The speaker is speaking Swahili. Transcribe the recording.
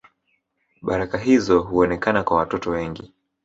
Baraka hizo huonekana kwa watoto wengi